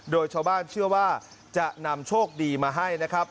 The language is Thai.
โดยชาวบ้านเชื่อว่าจะนำโชคดีมาให้นะครับ